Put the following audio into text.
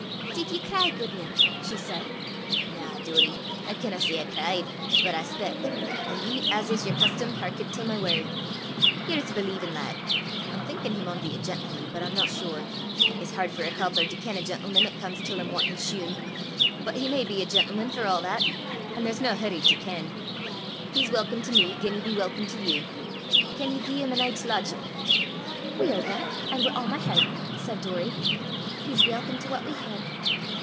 "Did ye cry, guidman?" she said. "Na, Doory: I canna say I cried; but I spak, an' ye, as is yer custom, hearkent til my word! Here's a believin' lad I'm thinkin' he maun be a gentleman, but I'm no sure; it's hard for a cobbler to ken a gentleman 'at comes til him wantin' shune; but he may be a gentleman for a' that, an' there's nae hurry to ken. He's welcome to me, gien he be welcome to you. Can ye gie him a nicht's lodgin'?" "Weel that! an' wi' a' my hert!" said Doory. "He's welcome to what we hae."